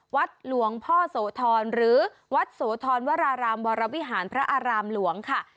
วัดหลวงพ่อโสธรหรือวัดโสธรวรารามวรวิหารพระอารามหลวงค่ะ